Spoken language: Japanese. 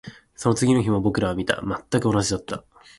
その次の日も僕らは見た。全く同じだった。